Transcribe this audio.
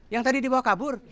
yang tadi dibawa kabur